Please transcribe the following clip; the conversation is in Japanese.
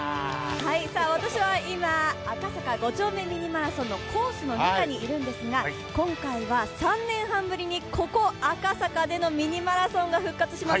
私は今、赤坂５丁目ミニマラソンのコースの中にいるんですが今回は３年半ぶりにここ赤坂での「ミニマラソン」が復活します。